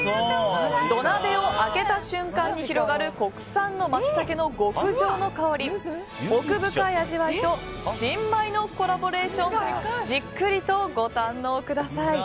土鍋を開けた瞬間に広がる国産のマツタケの極上の香り、奥深い味わいと新米のコラボレーションじっくりとご堪能ください。